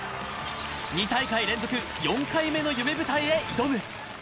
２大会連続４回目の夢舞台へ挑む。